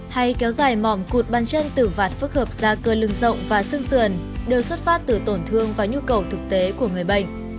hay kéo dài mỏm cụt ban chân tử vạt phức hợp da cơ lưng rộng và xương sườn đều xuất phát từ tổn thương và nhu cầu thực tế của người bệnh